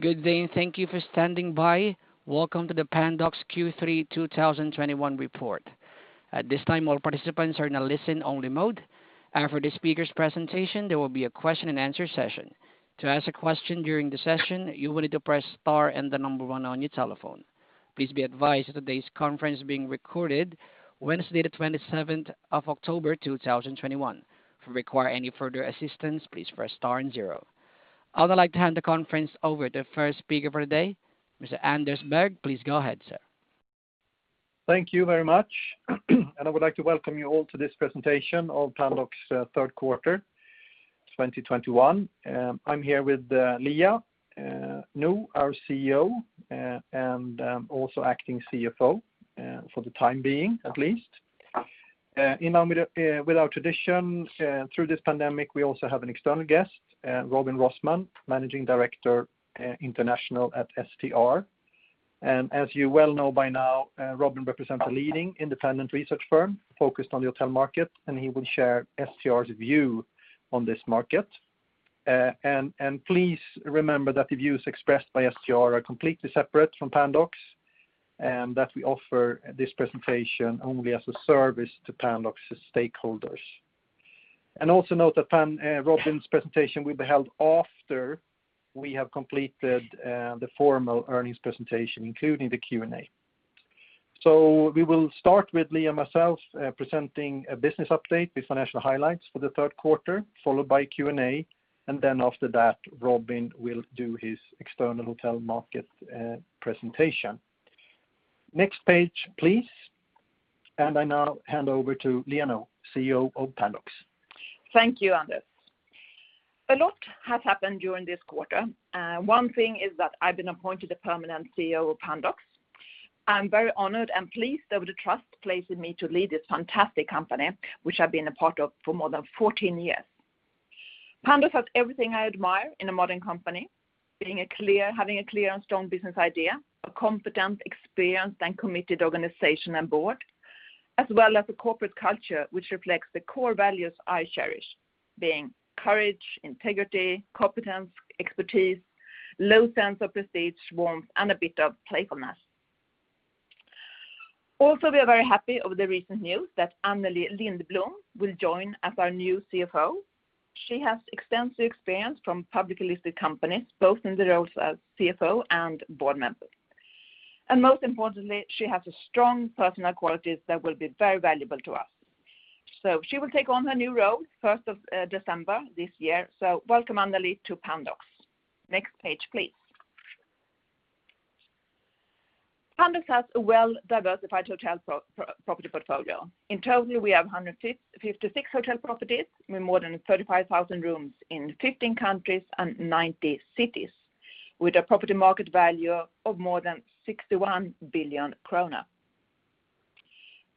Good day, and thank you for standing by. Welcome to the Pandox Q3 2021 report. At this time, all participants are in a listen-only mode. After the speakers' presentation, there will be a question and answer session. To ask a question during the session, you will need to press star and the number one on your telephone. Please be advised that today's conference is being recorded Wednesday, the 27th of October, 2021. If you require any further assistance, please press star and zero. I would like to hand the conference over to the first speaker for the day, Mr. Anders Berg. Please go ahead, sir. Thank you very much. I would like to welcome you all to this presentation of Pandox's third quarter 2021. I'm here with Liia Nõu, our CEO, and also acting CFO, for the time being, at least. With our tradition through this pandemic, we also have an external guest, Robin Rossmann, Managing Director, International at STR. As you well know by now, Robin represents a leading independent research firm focused on the hotel market, and he will share STR's view on this market. Please remember that the views expressed by STR are completely separate from Pandox, and that we offer this presentation only as a service to Pandox's stakeholders. Also note that Robin's presentation will be held after we have completed the formal earnings presentation, including the Q&A. We will start with Liia and myself presenting a business update with financial highlights for the third quarter, followed by Q&A. Then after that, Robin will do his external hotel market presentation. Next page, please. I now hand over to Liia Nõu, CEO of Pandox. Thank you, Anders. A lot has happened during this quarter. One thing is that I've been appointed the permanent CEO of Pandox. I'm very honored and pleased over the trust placed in me to lead this fantastic company, which I've been a part of for more than 14 years. Pandox has everything I admire in a modern company. Having a clear and strong business idea, a competent, experienced, and committed organization and board, as well as a corporate culture which reflects the core values I cherish, being courage, integrity, competence, expertise, low sense of prestige, warmth, and a bit of playfulness. We are very happy over the recent news that Anneli Lindblom will join as our new CFO. She has extensive experience from publicly listed companies, both in the roles of CFO and board member. Most importantly, she has strong personal qualities that will be very valuable to us. She will take on her new role first of December this year. Welcome, Anneli, to Pandox. Next page, please. Pandox has a well-diversified hotel property portfolio. In total, we have 156 hotel properties with more than 35,000 rooms in 15 countries and 90 cities, with a property market value of more than 61 billion krona.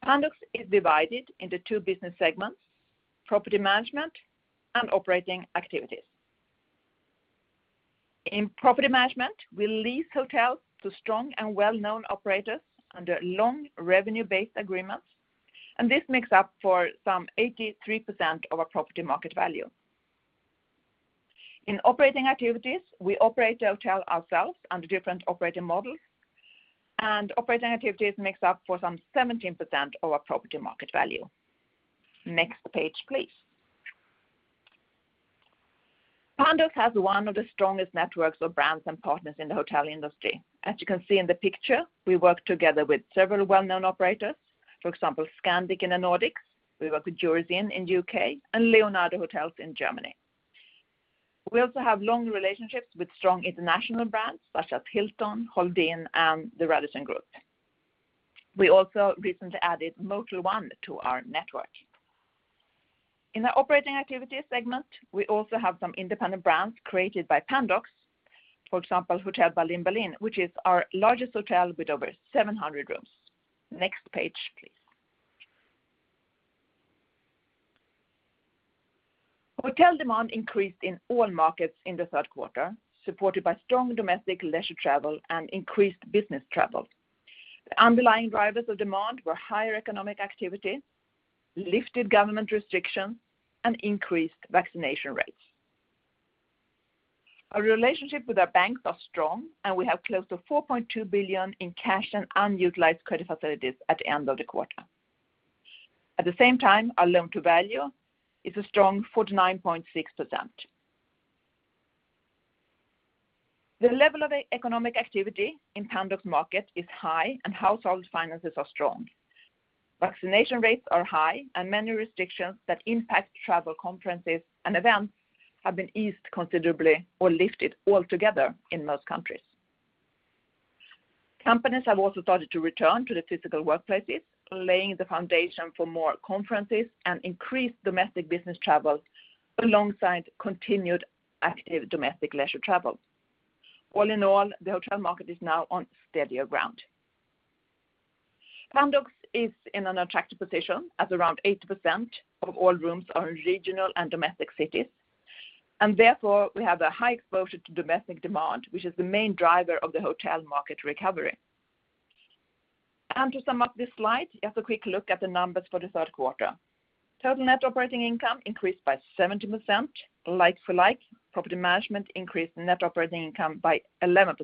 Pandox is divided into two business segments, property management and operating activities. In property management, we lease hotels to strong and well-known operators under long revenue-based agreements, and this makes up for some 83% of our property market value. In operating activities, we operate the hotel ourselves under different operating models, and operating activities makes up for some 17% of our property market value. Next page, please. Pandox has one of the strongest networks of brands and partners in the hotel industry. As you can see in the picture, we work together with several well-known operators, for example, Scandic in the Nordics. We work with Jurys Inn in U.K. and Leonardo Hotels in Germany. We also have long relationships with strong international brands such as Hilton, Holiday Inn, and the Radisson Group. We also recently added Motel One to our network. In our operating activities segment, we also have some independent brands created by Pandox. For example, Hotel Berlin, which is our largest hotel with over 700 rooms. Next page, please. Hotel demand increased in all markets in the third quarter, supported by strong domestic leisure travel and increased business travel. The underlying drivers of demand were higher economic activity, lifted government restrictions, and increased vaccination rates. Our relationship with our banks are strong, and we have close to 4.2 billion in cash and unutilized credit facilities at the end of the quarter. At the same time, our loan-to-value is a strong 49.6%. The level of economic activity in Pandox market is high and household finances are strong. Vaccination rates are high and many restrictions that impact travel conferences and events have been eased considerably or lifted altogether in most countries. Companies have also started to return to the physical workplaces, laying the foundation for more conferences and increased domestic business travel alongside continued active domestic leisure travel. All in all, the hotel market is now on steadier ground. Pandox is in an attractive position as around 80% of all rooms are in regional and domestic cities, and therefore, we have a high exposure to domestic demand, which is the main driver of the hotel market recovery. To sum up this slide, just a quick look at the numbers for the third quarter. Total net operating income increased by 70%. Like-for-like, property management increased net operating income by 11%.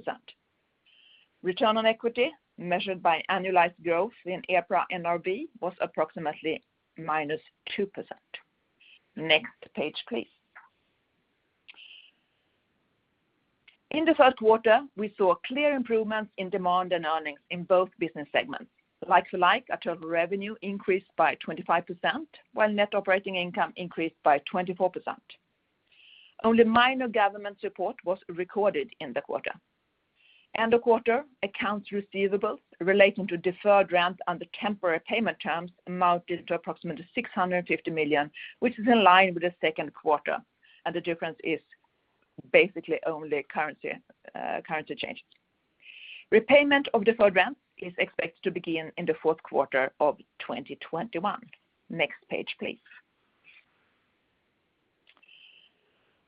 Return on equity measured by annualized growth in EPRA NRV was approximately -2%. Next page, please. In the first quarter, we saw clear improvements in demand and earnings in both business segments. Like-for-like, our total revenue increased by 25%, while net operating income increased by 24%. Only minor government support was recorded in the quarter. End of quarter, accounts receivables relating to deferred rent under temporary payment terms amounted to approximately 650 million, which is in line with the second quarter, and the difference is basically only currency change. Repayment of deferred rent is expected to begin in the fourth quarter of 2021. Next page, please.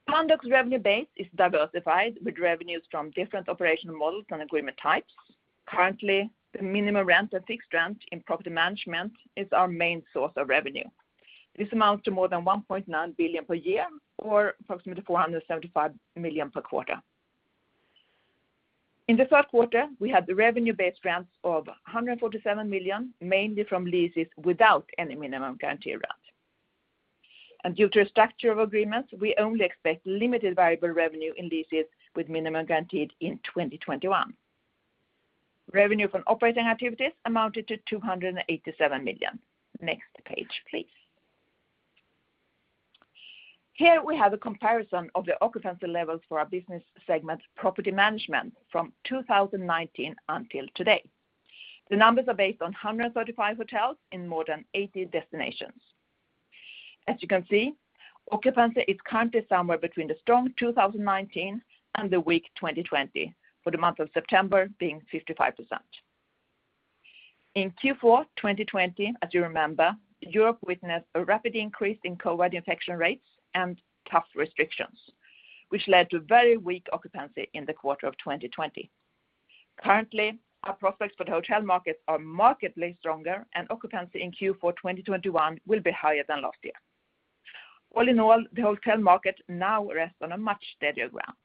Pandox revenue base is diversified with revenues from different operational models and agreement types. Currently, the minimum rent and fixed rent in property management is our main source of revenue. This amounts to more than 1.9 billion per year or approximately 475 million per quarter. In the third quarter, we had the revenue-based rents of 147 million, mainly from leases without any minimum guaranteed rent. Due to a structure of agreements, we only expect limited variable revenue in leases with minimum guaranteed in 2021. Revenue from operating activities amounted to 287 million. Next page, please. Here we have a comparison of the occupancy levels for our business segment property management from 2019 until today. The numbers are based on 135 hotels in more than 80 destinations. As you can see, occupancy is currently somewhere between the strong 2019 and the weak 2020, for the month of September being 55%. In Q4 2020, as you remember, Europe witnessed a rapid increase in COVID infection rates and tough restrictions, which led to very weak occupancy in the quarter of 2020. Currently, our prospects for the hotel markets are markedly stronger, and occupancy in Q4 2021 will be higher than last year. All in all, the hotel market now rests on a much steadier ground.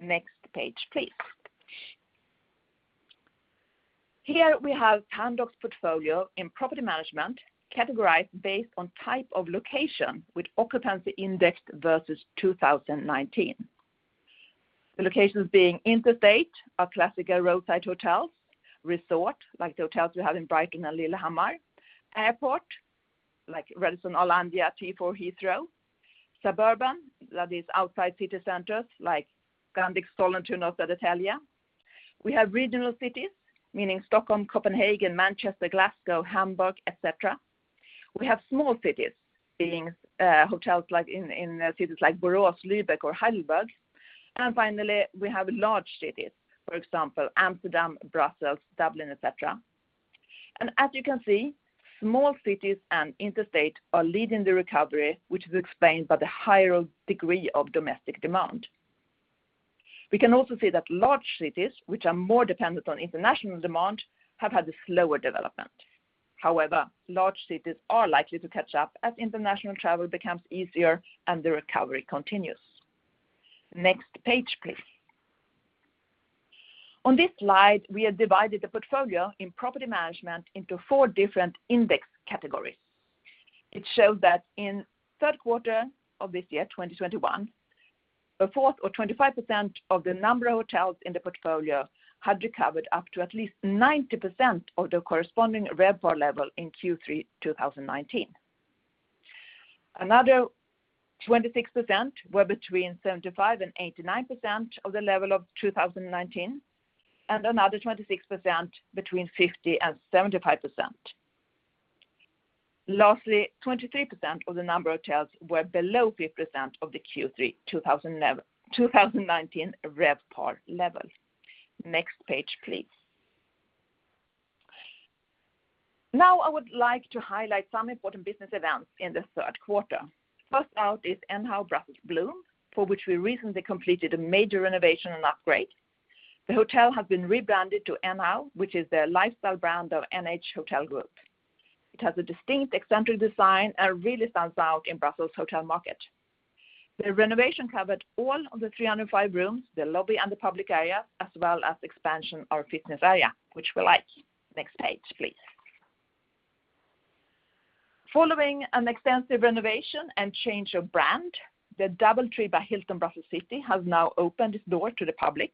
Next page, please. Here we have Pandox portfolio in property management categorized based on type of location with occupancy indexed versus 2019. The locations being interstate are classical roadside hotels. Resort, like the hotels we have in Brighton and Lillehammer. Airport, like Radisson Hollandia, T4 Heathrow. Suburban, that is outside city centers like Scandic Star Sollentuna outside Arlanda. We have regional cities, meaning Stockholm, Copenhagen, Manchester, Glasgow, Hamburg, et cetera. We have small cities being hotels like in cities like Borås, Lübeck, or Heidelberg. Finally, we have large cities, for example, Amsterdam, Brussels, Dublin, et cetera. As you can see, small cities and interstate are leading the recovery, which is explained by the higher degree of domestic demand. We can also see that large cities, which are more dependent on international demand, have had a slower development. However, large cities are likely to catch up as international travel becomes easier and the recovery continues. Next page, please. On this slide, we have divided the portfolio in property management into four different index categories. It shows that in third quarter of this year, 2021, 25% of the number of hotels in the portfolio had recovered up to at least 90% of the corresponding RevPAR level in Q3 2019. Another 26% were between 75%-89% of the level of 2019, and another 26% between 50%-75%. Lastly, 23% of the number of hotels were below 50% of the Q3 2019 RevPAR level. Next page, please. Now, I would like to highlight some important business events in the third quarter. First out is nhow Brussels Bloom, for which we recently completed a major renovation and upgrade. The hotel has been rebranded to nhow, which is the lifestyle brand of NH Hotel Group. It has a distinct eccentric design and really stands out in Brussels hotel market. The renovation covered all of the 305 rooms, the lobby, and the public area, as well as expansion of fitness area, which we like. Next page, please. Following an extensive renovation and change of brand, the DoubleTree by Hilton Brussels City has now opened its door to the public.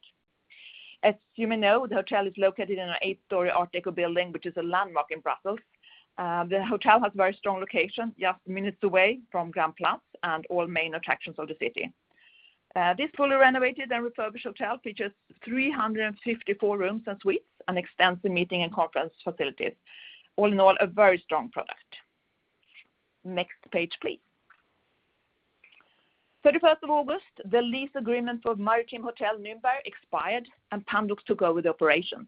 As you may know, the hotel is located in an eight-story art deco building, which is a landmark in Brussels. The hotel has very strong location, just minutes away from Grand Place and all main attractions of the city. This fully renovated and refurbished hotel features 354 rooms and suites, and extensive meeting and conference facilities. All in all, a very strong product. Next page, please. 31st of August, the lease agreement for Maritim Hotel Nürnberg expired, and Pandox took over the operations.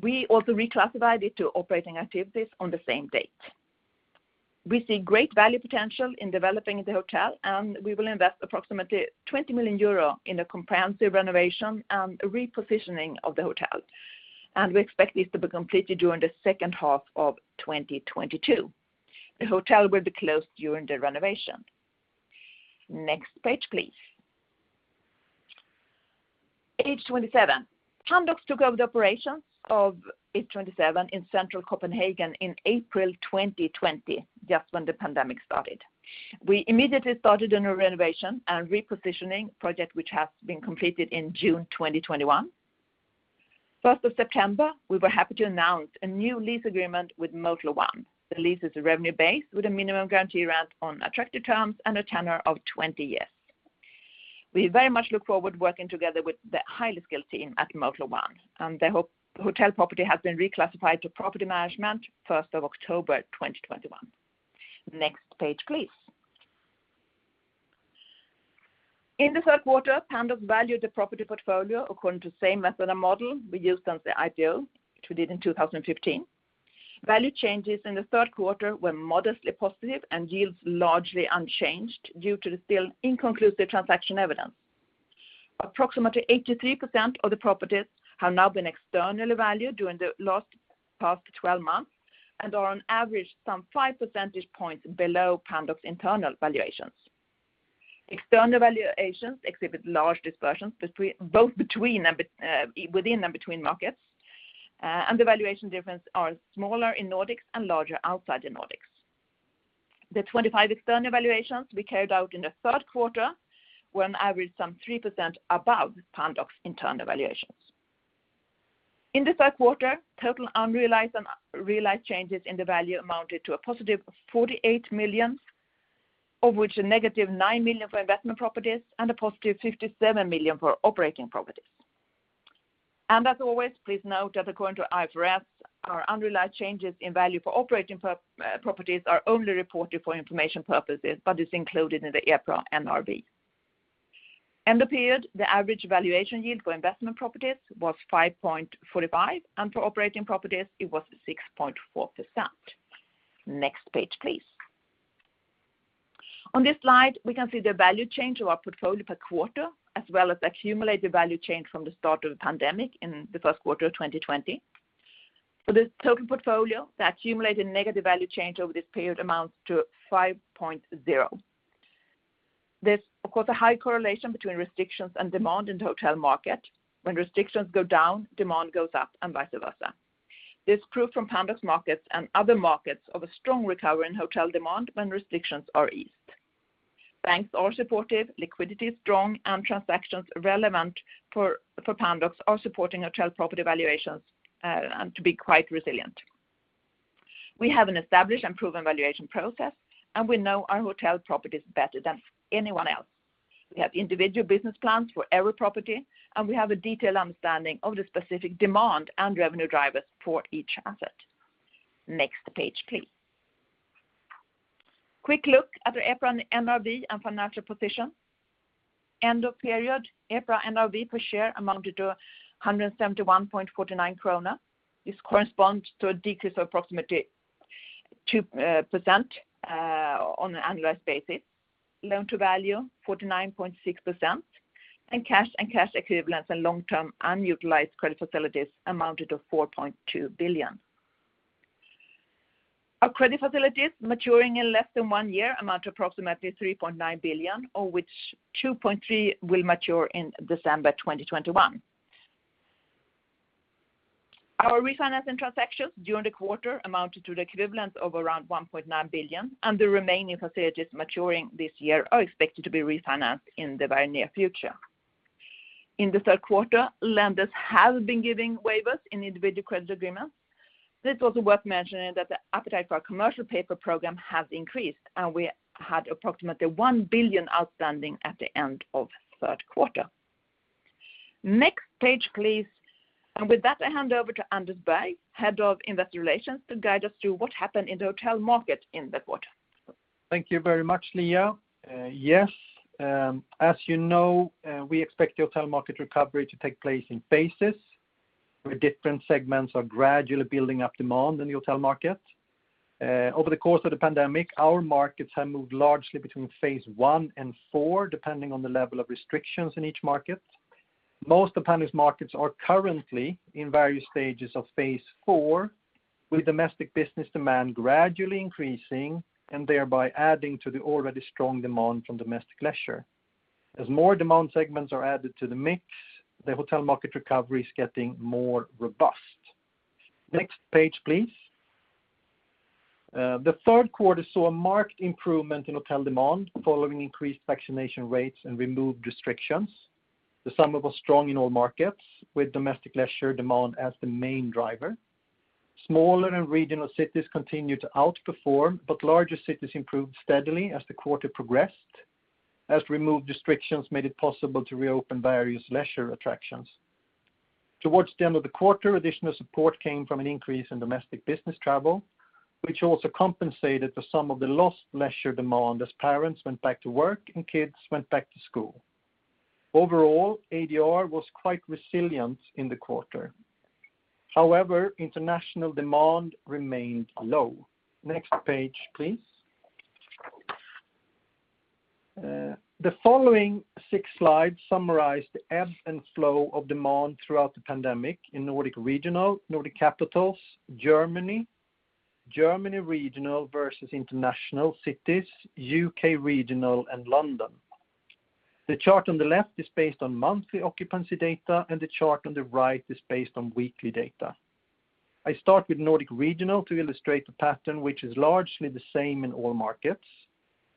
We also reclassified it to operating activities on the same date. We see great value potential in developing the hotel, and we will invest approximately 20 million euro in a comprehensive renovation and repositioning of the hotel. We expect this to be completed during the second half of 2022. The hotel will be closed during the renovation. Next page, please. h27. Pandox took over the operations of h27 in central Copenhagen in April 2020, just when the pandemic started. We immediately started on a renovation and repositioning project which has been completed in June 2021. 1st of September, we were happy to announce a new lease agreement with Motel One. The lease is revenue-based with a minimum guarantee rent on attractive terms and a tenure of 20 years. We very much look forward working together with the highly skilled team at Motel One, and the hotel property has been reclassified to property management 1st of October, 2021. Next page, please. In the third quarter, Pandox valued the property portfolio according to same method and model we used since the IPO, which we did in 2015. Value changes in the third quarter were modestly positive and yields largely unchanged due to the still inconclusive transaction evidence. Approximately 83% of the properties have now been externally valued during the past 12 months and are on average some 5 percentage points below Pandox internal valuations. External valuations exhibit large dispersions between and within markets, and the valuation differences are smaller in Nordics and larger outside the Nordics. The 25 external valuations we carried out in the third quarter were on average some 3% above Pandox internal valuations. In the third quarter, total unrealized and realized changes in the value amounted to a positive 48 million, of which a negative 9 million for investment properties and a positive 57 million for operating properties. As always, please note that according to IFRS, our unrealized changes in value for operating properties are only reported for information purposes but are included in the EPRA NRV. End of period, the average valuation yield for investment properties was 5.45%, and for operating properties it was 6.4%. Next page, please. On this slide, we can see the value change of our portfolio per quarter, as well as accumulated value change from the start of the pandemic in the first quarter of 2020. For the total portfolio, the accumulated negative value change over this period amounts to 5.0%. There is, of course, a high correlation between restrictions and demand in the hotel market. When restrictions go down, demand goes up, and vice versa. This proves in Pandox markets and other markets a strong recovery in hotel demand when restrictions are eased. Banks are supportive, liquidity is strong, and transactions relevant for Pandox are supporting hotel property valuations and to be quite resilient. We have an established and proven valuation process, and we know our hotel properties better than anyone else. We have individual business plans for every property, and we have a detailed understanding of the specific demand and revenue drivers for each asset. Next page, please. Quick look at our EPRA NRV and financial position. End of period, EPRA NRV per share amounted to 171.49 krona. This corresponds to a decrease of approximately 2% on an annualized basis. Loan-to-Value 49.6%. Cash and cash equivalents and long-term unutilized credit facilities amounted to 4.2 billion. Our credit facilities maturing in less than one year amount to approximately 3.9 billion of which 2.3 billion will mature in December 2021. Our refinancing transactions during the quarter amounted to the equivalent of around 1.9 billion, and the remaining facilities maturing this year are expected to be refinanced in the very near future. In the third quarter, lenders have been giving waivers in individual credit agreements. This is also worth mentioning that the appetite for our commercial paper program has increased, and we had approximately 1 billion outstanding at the end of third quarter. Next page, please. With that, I hand over to Anders Berg, Head of Investor Relations, to guide us through what happened in the hotel market in the quarter. Thank you very much, Liia. As you know, we expect the hotel market recovery to take place in phases, where different segments are gradually building up demand in the hotel market. Over the course of the pandemic, our markets have moved largely between phase one and four, depending on the level of restrictions in each market. Most of Pandox markets are currently in various stages of phase four, with domestic business demand gradually increasing and thereby adding to the already strong demand from domestic leisure. As more demand segments are added to the mix, the hotel market recovery is getting more robust. Next page, please. The third quarter saw a marked improvement in hotel demand following increased vaccination rates and removed restrictions. The summer was strong in all markets, with domestic leisure demand as the main driver. Smaller and regional cities continued to outperform, but larger cities improved steadily as the quarter progressed. As restrictions were removed, it made it possible to reopen various leisure attractions. Towards the end of the quarter, additional support came from an increase in domestic business travel, which also compensated for some of the lost leisure demand as parents went back to work and kids went back to school. Overall, ADR was quite resilient in the quarter. However, international demand remained low. Next page, please. The following six slides summarize the ebb and flow of demand throughout the pandemic in Nordic regional, Nordic capitals, Germany, German regional versus international cities, U.K. regional and London. The chart on the left is based on monthly occupancy data, and the chart on the right is based on weekly data. I start with Nordic regional to illustrate the pattern, which is largely the same in all markets,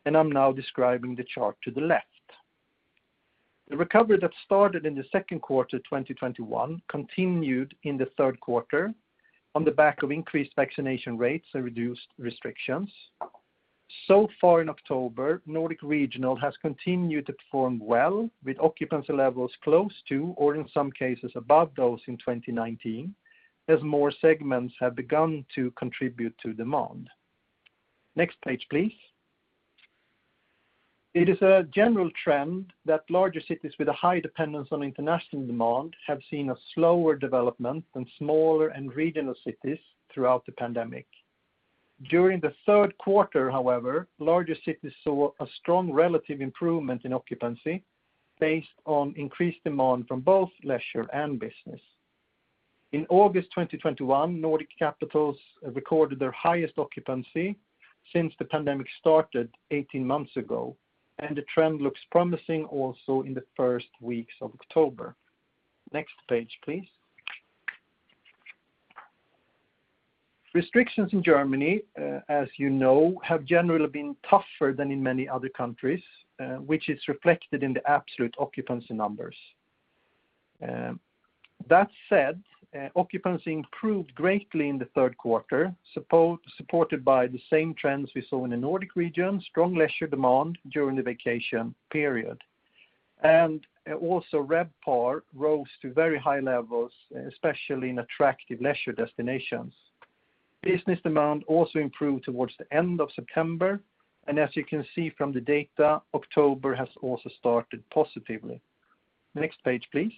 and I'm now describing the chart to the left. The recovery that started in the second quarter, 2021 continued in the third quarter on the back of increased vaccination rates and reduced restrictions. So far in October, Nordic regional has continued to perform well, with occupancy levels close to or in some cases above those in 2019 as more segments have begun to contribute to demand. Next page, please. It is a general trend that larger cities with a high dependence on international demand have seen a slower development than smaller and regional cities throughout the pandemic. During the third quarter, however, larger cities saw a strong relative improvement in occupancy based on increased demand from both leisure and business. In August 2021, Nordic capitals recorded their highest occupancy since the pandemic started 18 months ago, and the trend looks promising also in the first weeks of October. Next page, please. Restrictions in Germany, as you know, have generally been tougher than in many other countries, which is reflected in the absolute occupancy numbers. That said, occupancy improved greatly in the third quarter, supported by the same trends we saw in the Nordic region, strong leisure demand during the vacation period. Also RevPAR rose to very high levels, especially in attractive leisure destinations. Business demand also improved towards the end of September, and as you can see from the data, October has also started positively. Next page, please.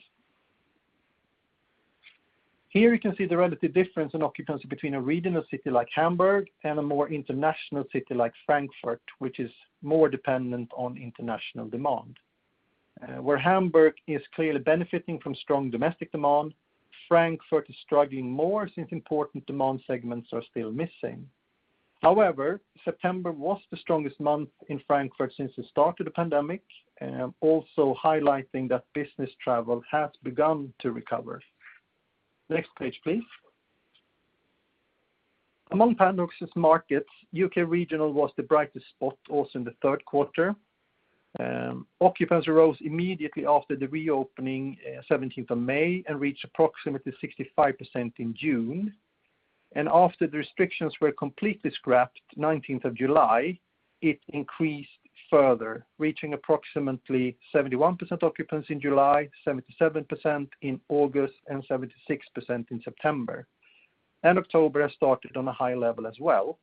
Here you can see the relative difference in occupancy between a regional city like Hamburg and a more international city like Frankfurt, which is more dependent on international demand. Where Hamburg is clearly benefiting from strong domestic demand, Frankfurt is struggling more since important demand segments are still missing. However, September was the strongest month in Frankfurt since the start of the pandemic, also highlighting that business travel has begun to recover. Next page, please. Among Pandox's markets, U.K. regional was the brightest spot also in the third quarter. Occupancy rose immediately after the reopening, 17th of May and reached approximately 65% in June. After the restrictions were completely scrapped 19th of July, it increased further, reaching approximately 71% occupancy in July, 77% in August, and 76% in September. October has started on a high level as well.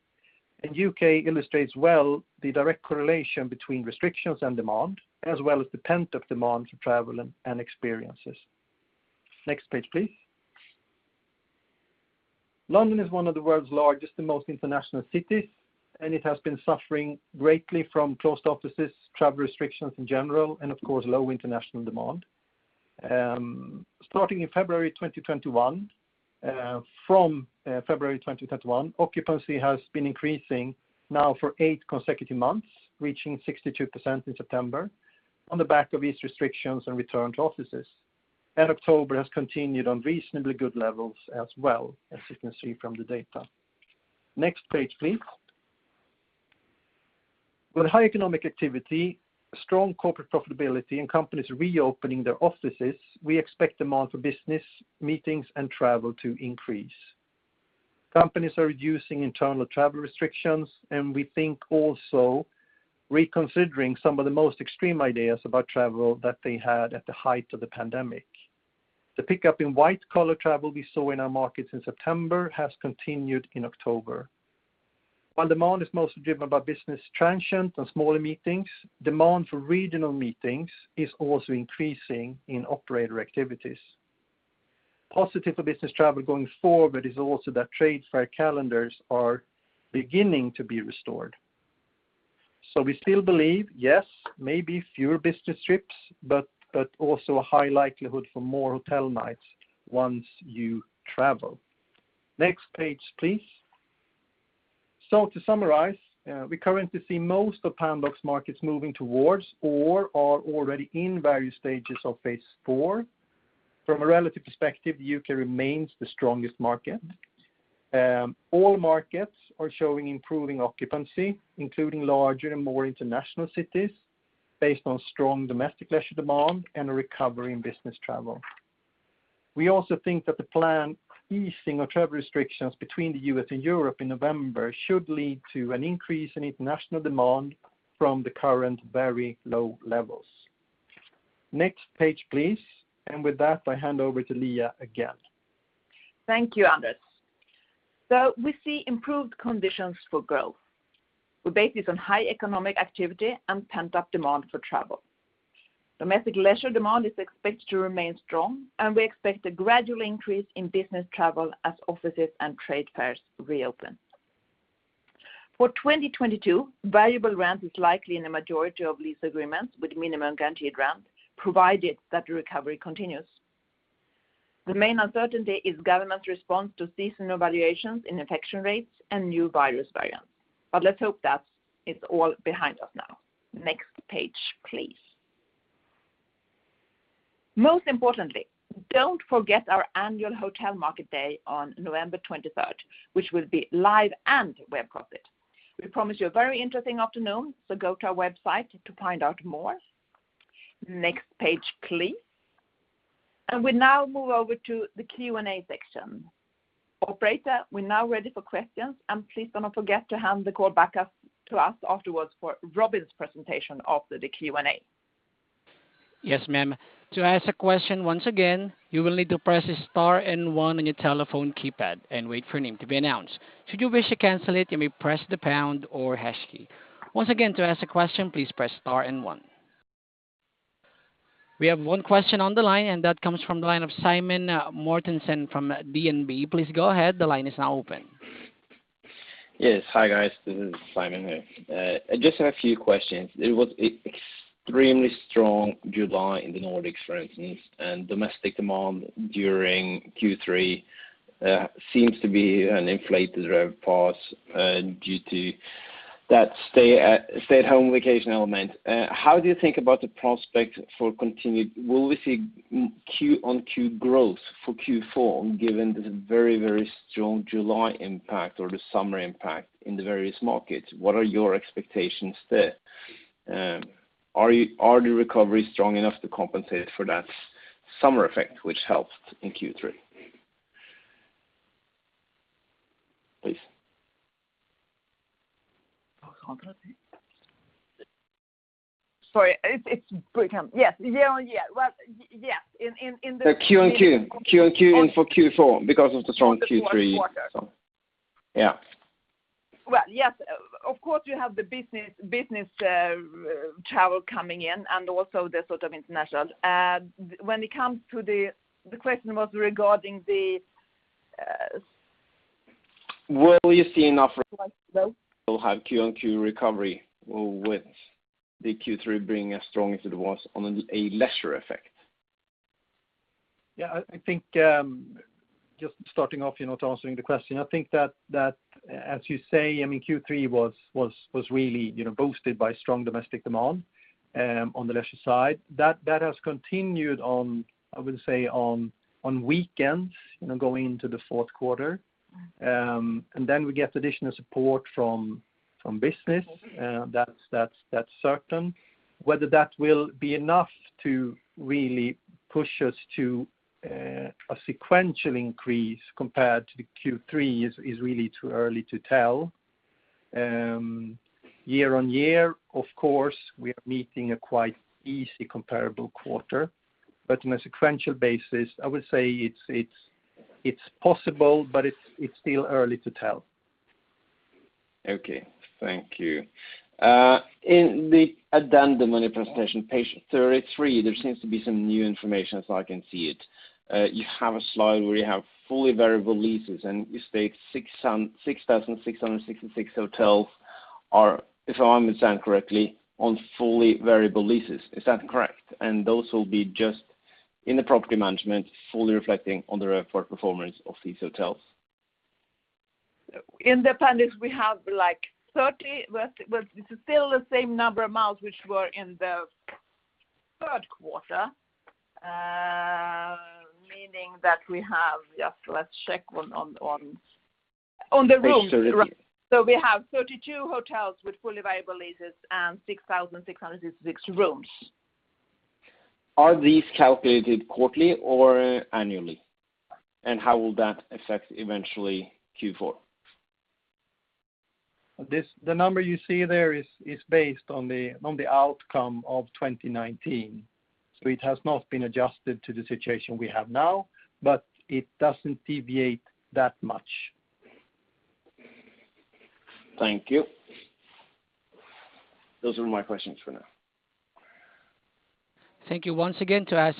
U.K. illustrates well the direct correlation between restrictions and demand, as well as the pent-up demand for travel and experiences. Next page, please. London is one of the world's largest and most international cities, and it has been suffering greatly from closed offices, travel restrictions in general, and of course, low international demand. Starting in February 2021, occupancy has been increasing now for eight consecutive months, reaching 62% in September on the back of eased restrictions and return to offices. October has continued on reasonably good levels as well, as you can see from the data. Next page, please. With high economic activity, strong corporate profitability, and companies reopening their offices, we expect demand for business, meetings, and travel to increase. Companies are reducing internal travel restrictions, and we think also reconsidering some of the most extreme ideas about travel that they had at the height of the pandemic. The pickup in white-collar travel we saw in our markets in September has continued in October. While demand is mostly driven by business transient and smaller meetings, demand for regional meetings is also increasing in operator activities. Positive for business travel going forward is also that trade fair calendars are beginning to be restored. We still believe, yes, maybe fewer business trips, but also a high likelihood for more hotel nights once you travel. Next page, please. To summarize, we currently see most of Pandox markets moving towards or are already in various stages of phase four. From a relative perspective, the U.K. remains the strongest market. All markets are showing improving occupancy, including larger and more international cities based on strong domestic leisure demand and a recovery in business travel. We also think that the planned easing of travel restrictions between the U.S. and Europe in November should lead to an increase in international demand from the current very low levels. Next page, please. With that, I hand over to Liia again. Thank you, Anders. We see improved conditions for growth. We base this on high economic activity and pent-up demand for travel. Domestic leisure demand is expected to remain strong, and we expect a gradual increase in business travel as offices and trade fairs reopen. For 2022, variable rent is likely in a majority of lease agreements with minimum guaranteed rent, provided that the recovery continues. The main uncertainty is government's response to seasonal variations in infection rates and new virus variants. Let's hope that is all behind us now. Next page, please. Most importantly, don't forget our annual hotel market day on November 23rd, which will be live and webcast. We promise you a very interesting afternoon, so go to our website to find out more. Next page, please. We now move over to the Q&A section. Operator, we're now ready for questions. Please do not forget to hand the call back up to us afterwards for Robin's presentation after the Q&A. Yes, ma'am. To ask a question, once again, you will need to press star and one on your telephone keypad and wait for your name to be announced. Should you wish to cancel it, you may press the pound or hash key. Once again, to ask a question, please press star and one. We have one question on the line, and that comes from the line of Simen Mortensen from DNB. Please go ahead. The line is now open. Yes. Hi, guys. This is Simon here. I just have a few questions. It was extremely strong July in the Nordics, for instance, and domestic demand during Q3 seems to be an inflated RevPARs due to that stay-at-home vacation element. How do you think about the prospect for continued? Will we see q-on-q growth for Q4, given the very, very strong July impact or the summer impact in the various markets? What are your expectations there? Is the recovery strong enough to compensate for that summer effect, which helped in Q3? Please. Sorry. It's broken. Yes. Yeah. Well, yes. In the- The Q-on-Q. Q-on-Q in for Q4 because of the strong Q3. Yeah. Well, yes, of course, you have the business travel coming in and also the sort of international. The question was regarding the- Will you see enough Q-on-Q recovery with the Q3 being as strong as it was on a leisure effect? Yeah, I think just starting off, you know, to answering the question. I think that as you say, I mean, Q3 was really, you know, boosted by strong domestic demand on the leisure side. That has continued on, I would say, on weekends, you know, going into the fourth quarter. And then we get additional support from business. That's certain. Whether that will be enough to really push us to a sequential increase compared to Q3 is really too early to tell. Year-on-year, of course, we are meeting a quite easy comparable quarter. On a sequential basis, I would say it's possible, but it's still early to tell. Okay. Thank you. In the addendum on your presentation, page 33, there seems to be some new information, as I can see it. You have a slide where you have fully variable leases, and you state 6,666 hotels are, if I understand correctly, on fully variable leases. Is that correct? Those will be just in the property management, fully reflecting on the RevPAR performance of these hotels. In the appendix, we have, like, 30. Well, this is still the same number amount which were in the third quarter. Meaning that we have just let's check on the rooms. We have 32 hotels with fully variable leases and 6,666 rooms. Are these calculated quarterly or annually? How will that affect eventually Q4? The number you see there is based on the outcome of 2019. It has not been adjusted to the situation we have now, but it doesn't deviate that much. Thank you. Those are my questions for now. Thank you once again. I'll hand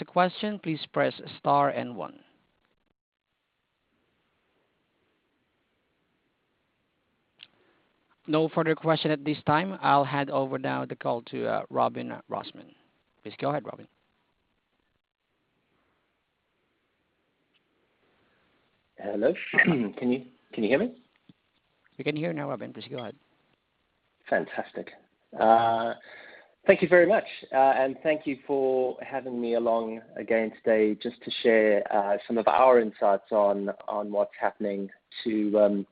over now the call to Robin Rossmann. Please go ahead, Robin. Hello. Can you hear me? We can hear you now, Robin. Please go ahead. Fantastic. Thank you very much. Thank you for having me along again today just to share some of our insights on what's happening to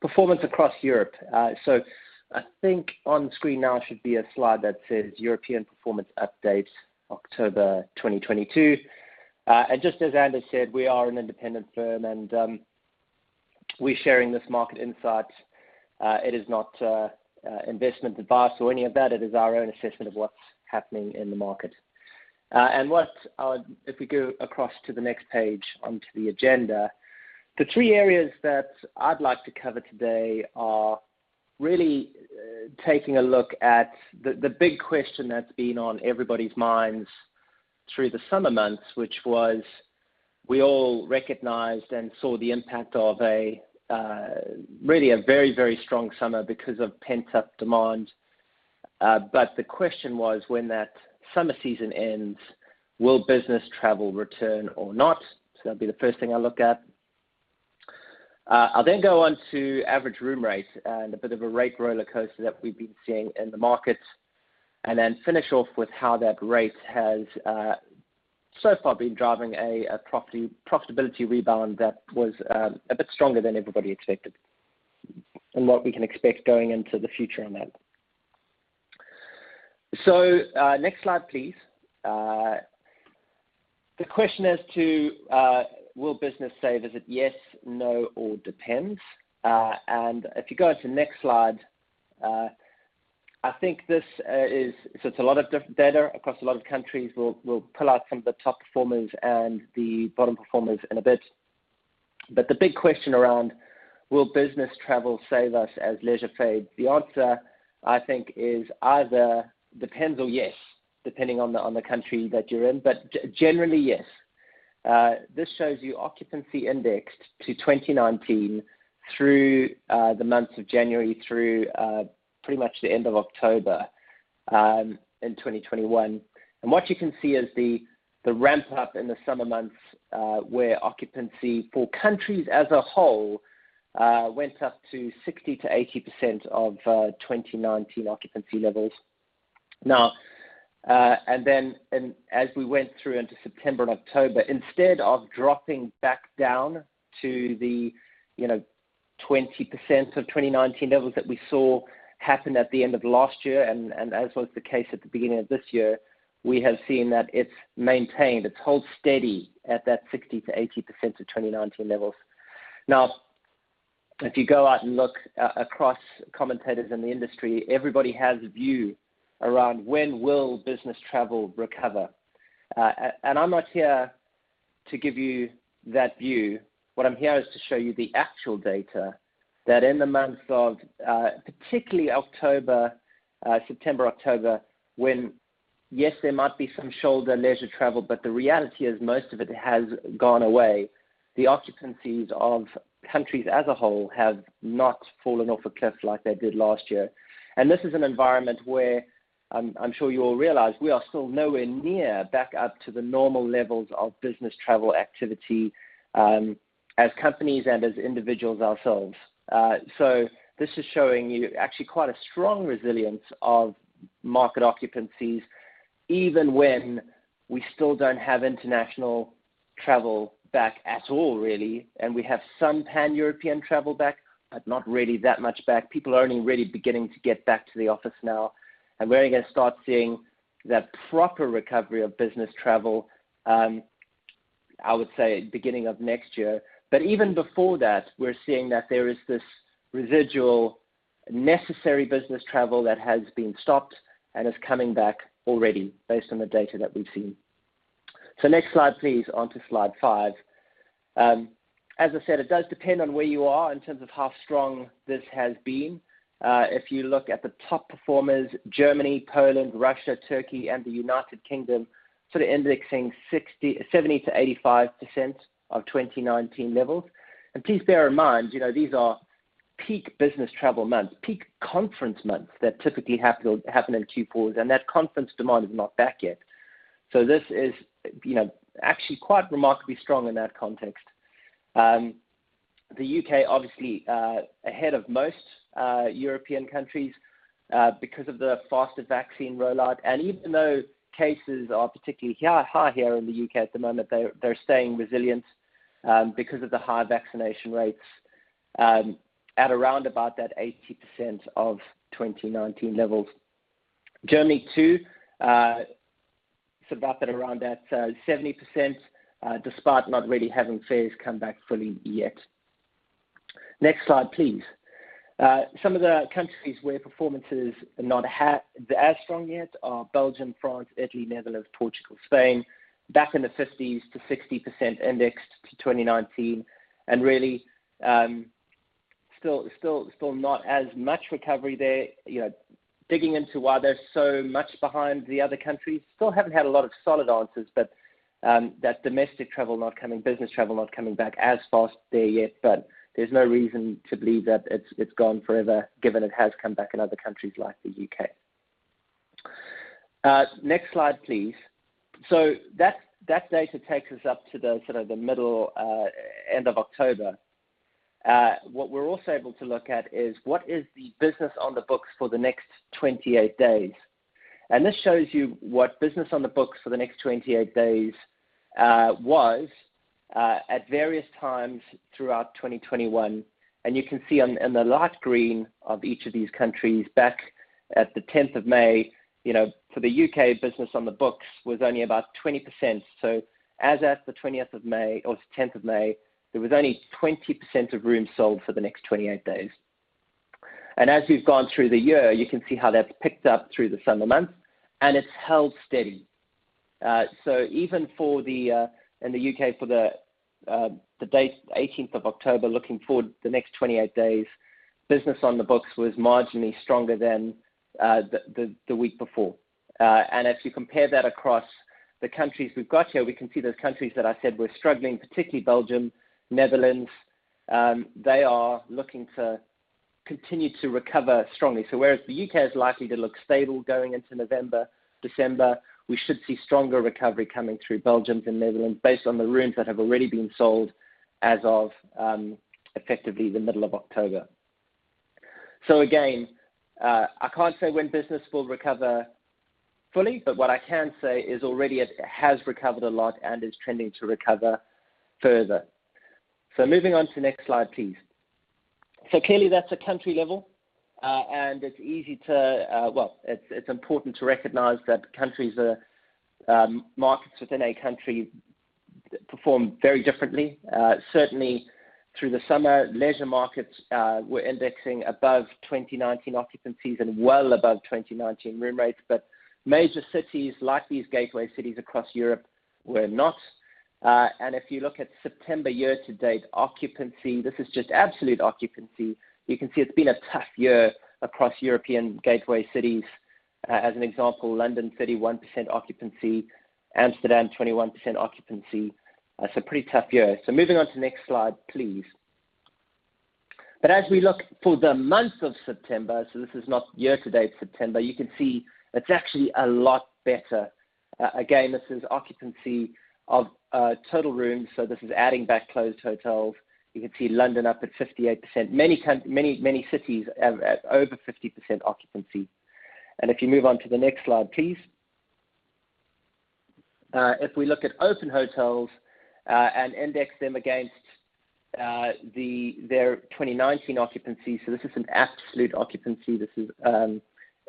performance across Europe. I think on screen now should be a slide that says European Performance Update October 2022. Just as Anders said, we are an independent firm and we're sharing this market insight. It is not investment advice or any of that. It is our own assessment of what's happening in the market. If we go across to the next page onto the agenda. The three areas that I'd like to cover today are really taking a look at the big question that's been on everybody's minds through the summer months, which was, we all recognized and saw the impact of a really very strong summer because of pent-up demand. The question was, when that summer season ends, will business travel return or not? It's gonna be the first thing I look at. I'll then go on to average room rate and a bit of a rate rollercoaster that we've been seeing in the markets. Then finish off with how that rate has so far been driving a property profitability rebound that was a bit stronger than everybody expected, and what we can expect going into the future on that. Next slide, please. The question as to will business save us? Is it yes, no, or depends? If you go to the next slide, I think this is. So it's a lot of data across a lot of countries. We'll pull out some of the top performers and the bottom performers in a bit. The big question around will business travel save us as leisure fades? The answer, I think, is either depends or yes, depending on the country that you're in. Generally, yes. This shows you occupancy indexed to 2019 through the months of January through pretty much the end of October in 2021. What you can see is the ramp-up in the summer months, where occupancy for countries as a whole went up to 60%-80% of 2019 occupancy levels. Now, as we went through into September and October, instead of dropping back down to the, you know, 20% of 2019 levels that we saw happen at the end of last year, and as was the case at the beginning of this year, we have seen that it's maintained. It's held steady at that 60%-80% of 2019 occupancy levels. Now, if you go out and look across commentators in the industry, everybody has a view around when will business travel recover. I'm not here to give you that view. What I'm here is to show you the actual data that in the months of, particularly October, September, October, when, yes, there might be some shoulder leisure travel, but the reality is most of it has gone away. The occupancies of countries as a whole have not fallen off a cliff like they did last year. This is an environment where I'm sure you all realize we are still nowhere near back up to the normal levels of business travel activity, as companies and as individuals ourselves. This is showing you actually quite a strong resilience of market occupancies, even when we still don't have international travel back at all, really. We have some Pan-European travel back, but not really that much back. People are only really beginning to get back to the office now. We're only gonna start seeing that proper recovery of business travel, I would say beginning of next year. Even before that, we're seeing that there is this residual necessary business travel that has been stopped and is coming back already based on the data that we've seen. Next slide, please, onto slide five. As I said, it does depend on where you are in terms of how strong this has been. If you look at the top performers, Germany, Poland, Russia, Turkey, and the United Kingdom sort of indexing 60%, 70%-85% of 2019 levels. Please bear in mind, you know, these are peak business travel months, peak conference months that typically happen in Q4s, and that conference demand is not back yet. This is, you know, actually quite remarkably strong in that context. The U.K. obviously ahead of most European countries because of the faster vaccine rollout. Even though cases are particularly high here in the U.K. at the moment, they're staying resilient because of the high vaccination rates at around about that 80% of 2019 levels. Germany too, it's about at around that 70%, despite not really having fairs come back fully yet. Next slide, please. Some of the countries where performance is not as strong yet are Belgium, France, Italy, Netherlands, Portugal, Spain. Back in the 50%s-60% indexed to 2019, and really still not as much recovery there. You know, digging into why they're so much behind the other countries. Still haven't had a lot of solid answers, but that domestic travel not coming business travel not coming back as fast there yet. There's no reason to believe that it's gone forever, given it has come back in other countries like the U.K. Next slide, please. That data takes us up to the sort of the middle end of October. What we're also able to look at is what is the business on the books for the next 28 days. This shows you what business on the books for the next 28 days was at various times throughout 2021. You can see in the light green of each of these countries back at the 10th of May, you know, for the U.K. business on the books was only about 20%. As at the 20th of May or the 10th of May, there was only 20% of rooms sold for the next 28 days. As we've gone through the year, you can see how that's picked up through the summer months, and it's held steady. Even for the U.K., for the date 18th of October, looking forward to the next 28 days, business on the books was marginally stronger than the week before. As you compare that across the countries we've got here, we can see those countries that I said were struggling, particularly Belgium, Netherlands, they are looking to continue to recover strongly. Whereas the U.K. is likely to look stable going into November, December, we should see stronger recovery coming through Belgium and Netherlands based on the rooms that have already been sold as of effectively the middle of October. Again, I can't say when business will recover fully, but what I can say is already it has recovered a lot and is trending to recover further. Moving on to the next slide, please. Clearly that's a country level, and it's important to recognize that countries are markets within a country perform very differently. Certainly through the summer, leisure markets were indexing above 2019 occupancies and well above 2019 room rates. Major cities like these gateway cities across Europe were not. If you look at September year-to-date occupancy, this is just absolute occupancy. You can see it's been a tough year across European gateway cities. As an example, London 31% occupancy, Amsterdam 21% occupancy. It's a pretty tough year. Moving on to next slide, please. As we look for the month of September, so this is not year-to-date September, you can see it's actually a lot better. Again, this is occupancy of total rooms, so this is adding back closed hotels. You can see London up at 58%. Many, many cities have over 50% occupancy. If you move on to the next slide, please. If we look at open hotels and index them against their 2019 occupancy, so this is an absolute occupancy. This is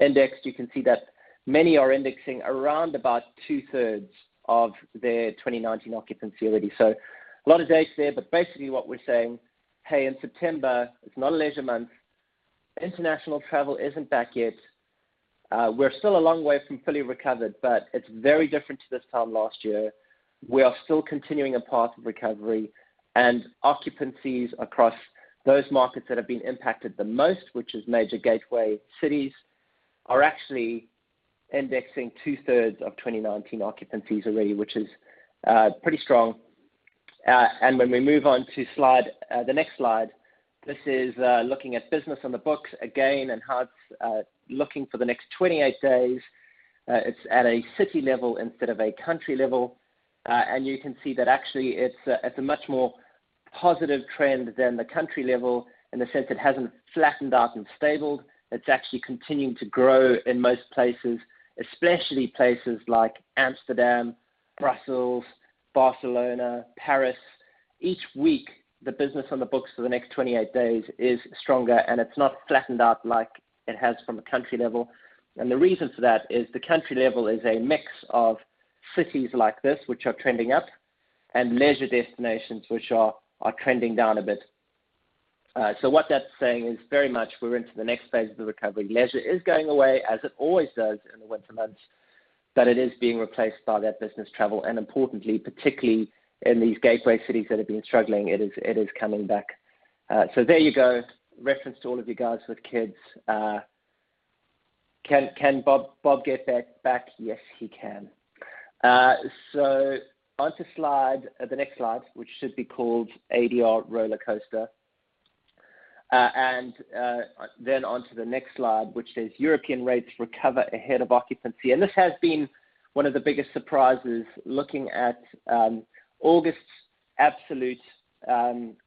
indexed. You can see that many are indexing around about two-thirds of their 2019 occupancy already. A lot of data there, but basically what we're saying, "Hey, in September, it's not a leisure month. International travel isn't back yet. We're still a long way from fully recovered, but it's very different to this time last year. We are still continuing a path of recovery, and occupancies across those markets that have been impacted the most, which is major gateway cities, are actually indexing two-thirds of 2019 occupancies already, which is pretty strong." When we move on to slide, the next slide, this is looking at business on the books again and how it's looking for the next 28 days. It's at a city level instead of a country level. You can see that actually it's a much more positive trend than the country level in the sense it hasn't flattened out and stabilized. It's actually continuing to grow in most places, especially places like Amsterdam, Brussels, Barcelona, Paris. Each week, the business on the books for the next 28 days is stronger, and it's not flattened out like it has from a country level. The reason for that is the country level is a mix of cities like this, which are trending up, and leisure destinations, which are trending down a bit. What that's saying is very much we're into the next phase of the recovery. Leisure is going away as it always does in the winter months, but it is being replaced by that business travel, and importantly, particularly in these gateway cities that have been struggling, it is coming back. There you go. Reference to all of you guys with kids. Can Bob get back? Yes, he can. Onto the next slide, which should be called ADR rollercoaster. Then onto the next slide, which says European rates recover ahead of occupancy. This has been one of the biggest surprises looking at August's absolute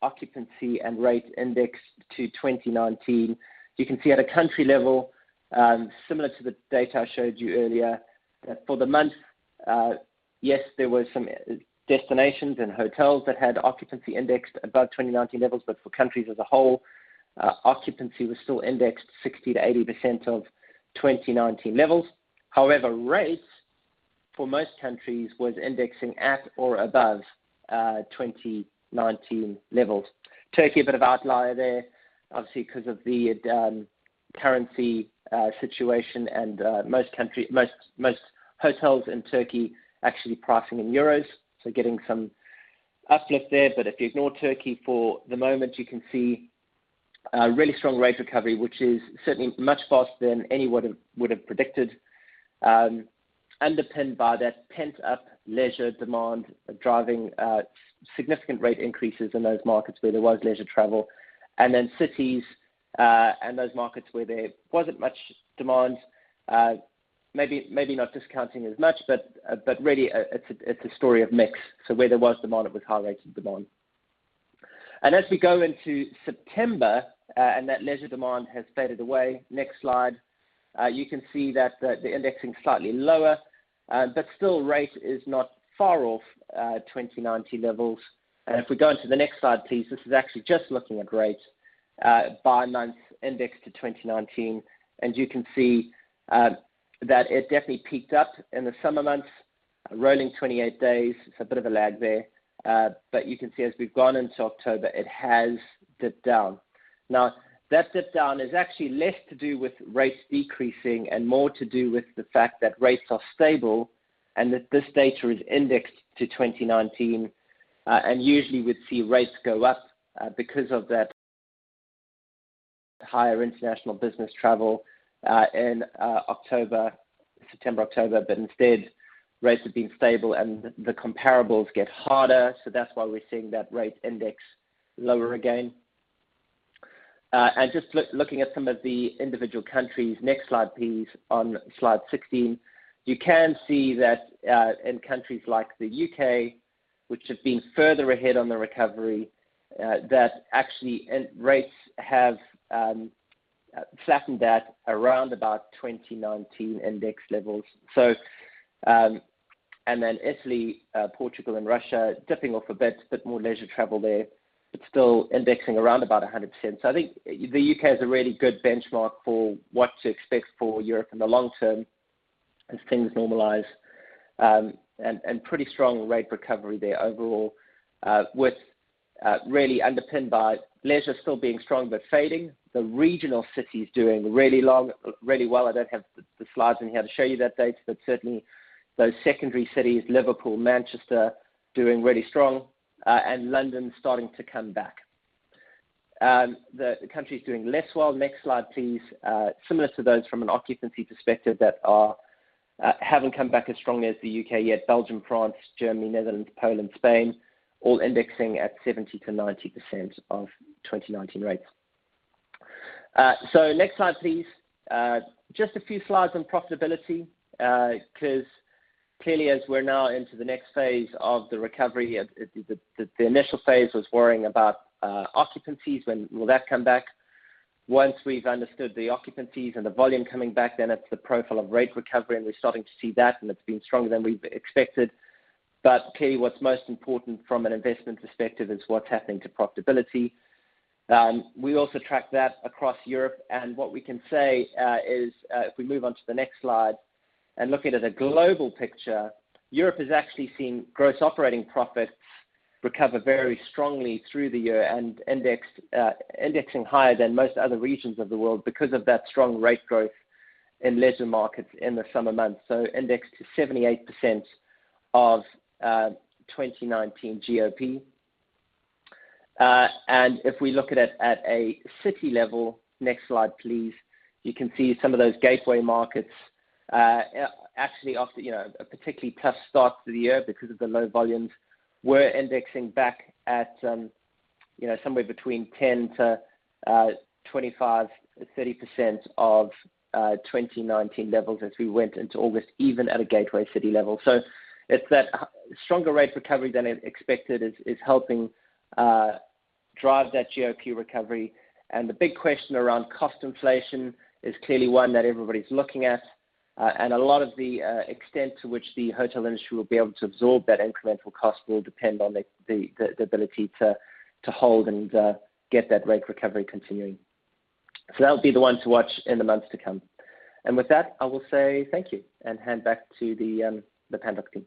occupancy and rate index to 2019. You can see at a country level, similar to the data I showed you earlier, for the month, yes, there were some destinations and hotels that had occupancy indexed above 2019 levels. For countries as a whole, occupancy was still indexed 60%-80% of 2019 levels. However, rates for most countries was indexing at or above 2019 levels. Turkey a bit of outlier there, obviously because of the currency situation and most hotels in Turkey actually pricing in euros, so getting some uplift there. If you ignore Turkey for the moment, you can see a really strong rate recovery, which is certainly much faster than anyone would have predicted, underpinned by that pent-up leisure demand driving significant rate increases in those markets where there was leisure travel. Then cities and those markets where there wasn't much demand, maybe not discounting as much, but really, it's a story of mix. Where there was demand, it was high rates of demand. As we go into September, and that leisure demand has faded away, next slide, you can see that, the indexing is slightly lower. Still rate is not far off, 2019 levels. If we go onto the next slide, please, this is actually just looking at rates, by month indexed to 2019. You can see that it definitely peaked up in the summer months. Rolling 28 days, it's a bit of a lag there. You can see as we've gone into October, it has dipped down. Now, that dip down is actually less to do with rates decreasing and more to do with the fact that rates are stable and that this data is indexed to 2019. Usually we'd see rates go up because of that higher international business travel in September, October. Rates have been stable and the comparables get harder. That's why we're seeing that rate index lower again. Just looking at some of the individual countries, next slide, please, on slide 16. You can see that in countries like the U.K., which have been further ahead on the recovery, that actually rates have flattened out around about 2019 index levels. Then Italy, Portugal and Russia dipping off a bit, but more leisure travel there, but still indexing around about 100%. I think the U.K. is a really good benchmark for what to expect for Europe in the long term as things normalize, and pretty strong rate recovery there overall, with really underpinned by leisure still being strong but fading. The regional cities doing really well. I don't have the slides in here to show you that data, but certainly those secondary cities, Liverpool, Manchester, doing really strong, and London starting to come back. The countries doing less well. Next slide, please. Similar to those from an occupancy perspective that haven't come back as strongly as the U.K. yet. Belgium, France, Germany, Netherlands, Poland, Spain, all indexing at 70%-90% of 2019 rates. Next slide, please. Just a few slides on profitability, 'cause clearly, as we're now into the next phase of the recovery, the initial phase was worrying about occupancies, when will that come back? Once we've understood the occupancies and the volume coming back, then it's the profile of rate recovery, and we're starting to see that, and it's been stronger than we expected. Clearly, what's most important from an investment perspective is what's happening to profitability. We also track that across Europe. What we can say is, if we move on to the next slide and looking at a global picture, Europe has actually seen Gross Operating Profits recover very strongly through the year and indexing higher than most other regions of the world because of that strong rate growth in leisure markets in the summer months. Indexed to 78% of 2019 GOP. If we look at it at a city level, next slide, please. You can see some of those gateway markets, actually off to a particularly tough start to the year because of the low volumes. We're indexing back at, you know, somewhere between 10%-30% of 2019 levels as we went into August, even at a gateway city level. It's the stronger rate recovery than expected is helping drive that GOP recovery. The big question around cost inflation is clearly one that everybody's looking at. A lot of the extent to which the hotel industry will be able to absorb that incremental cost will depend on the ability to hold and get that rate recovery continuing. That'll be the one to watch in the months to come. With that, I will say thank you and hand back to the Pandox team.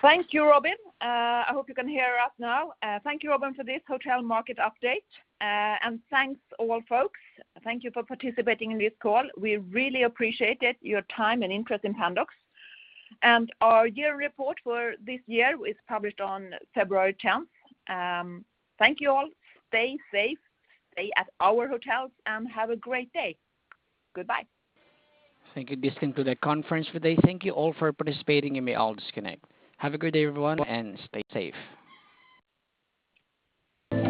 Thank you, Robin. I hope you can hear us now. Thank you, Robin, for this hotel market update. Thanks all folks. Thank you for participating in this call. We really appreciate it, your time and interest in Pandox. Our annual report for this year is published on February tenth. Thank you all. Stay safe, stay at our hotels, and have a great day. Goodbye. Thank you for listening to the conference today. Thank you all for participating. You may all disconnect. Have a good day, everyone, and stay safe.